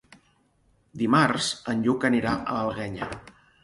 Dimarts en Lluc anirà a l'Alguenya.